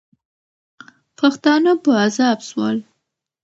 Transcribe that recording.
پښتانه په عذاب سول.